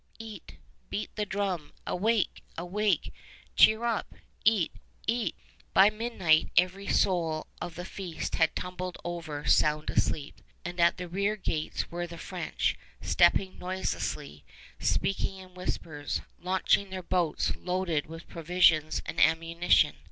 eat! Beat the drum! Awake! awake! Cheer up! Eat! eat!" By midnight every soul of the feast had tumbled over sound asleep, and at the rear gates were the French, stepping noiselessly, speaking in whispers, launching their boats loaded with provisions and ammunition.